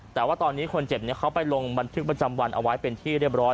แต่ว่าตอนนี้คนเจ็บเขาไปลงบันทึกประจำวันเอาไว้เป็นที่เรียบร้อย